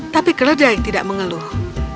tapi keledai tidak mengeluh